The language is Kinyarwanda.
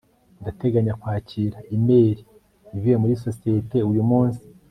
ndateganya kwakira imeri ivuye muri sosiyete uyu munsi